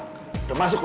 udah masuk rumah sakit